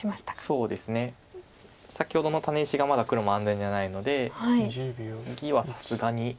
そうですね先ほどのタネ石がまだ黒も安全じゃないので次はさすがに動きそうです。